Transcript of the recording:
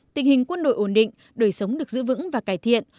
tình hình quân đội ổn định đời sống được giữ vững và cải thiện